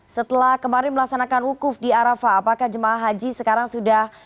setelah kemarin melaksanakan wukuf di arafah apakah jemaah haji sekarang sudah